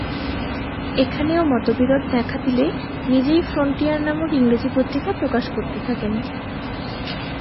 এখানেও মতবিরোধ দেখা দিলে নিজেই ফ্রন্টিয়ার নামক ইংরেজি পত্রিকা প্রকাশ করতে থাকেন।